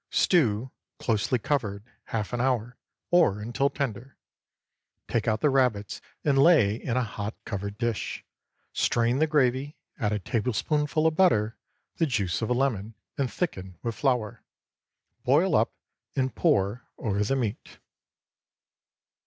Stew, closely covered, half an hour, or until tender; take out the rabbits and lay in a hot covered dish. Strain the gravy, add a tablespoonful of butter, the juice of a lemon, and thicken with flour. Boil up and pour over the meat.